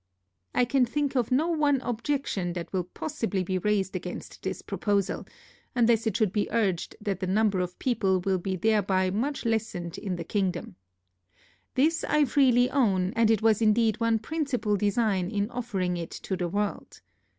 I can think of no one objection, that will possibly be raised against this proposal, unless it should be urged, that the number of people will be thereby much lessened in the kingdom. This I freely own, and was indeed one principal design in offering it to the world.